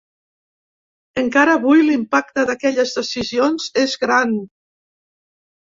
Encara avui, l’impacte d’aquelles decisions és gran.